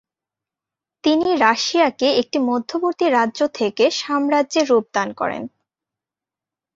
তিনি রাশিয়াকে একটি মধ্যবর্তী রাজ্য থেকে সাম্রাজ্যে রূপদান করেন।